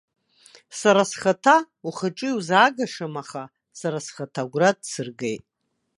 Сара схаҭа, ухаҿы, иузаагашам, аха, сара схаҭа агәра дсыргеит.